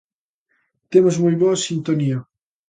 Temos moi boa sintonía.